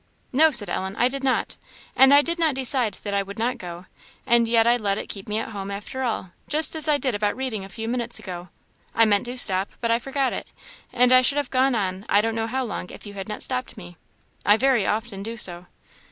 "No," said Ellen, "I did not; and I did not decide that I would not go; and yet I let it keep me at home after all; just as I did about reading a few minutes ago. I meant to stop, but I forgot it, and I should have gone on I don't know how long if you had not stopped me. I very often do so."